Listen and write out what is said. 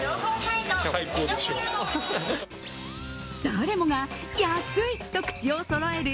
誰もが安いと口をそろえる